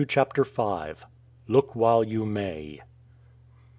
CHAPTER V "LOOK WHILE YOU MAY!"